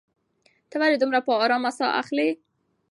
ته ولې دومره په ارامۍ ساه اخلې؟